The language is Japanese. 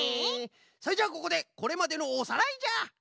それじゃあここでこれまでのおさらいじゃ！